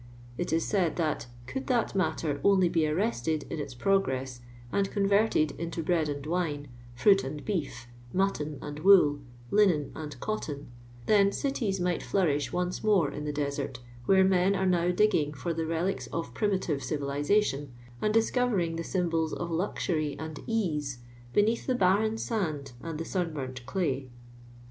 It is said that, '' could that matts only be arrested in its progress, and convettcd into bread and wine, fruit and l>eef, mutton and wool, linen and cotton, then cities might flniui^h once nion; in the desert, where men are now dig ging for the relics of primitive civilization, ai^ discovering the symbols of luxury and ease beneath the barren »ind and the sunburnt clay."